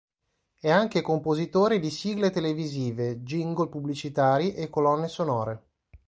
È anche compositore di sigle televisive, jingle pubblicitari e colonne sonore.